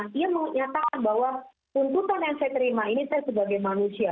dia menyatakan bahwa tuntutan yang saya terima ini saya sebagai manusia